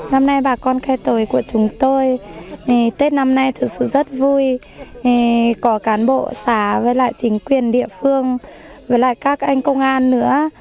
năm nay bà con khe tồi của chúng tôi tết năm nay thật sự rất vui có cán bộ xã với lại chính quyền địa phương với lại các anh công an nữa